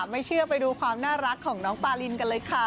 ไม่เชื่อไปดูความน่ารักของน้องปารินกันเลยค่ะ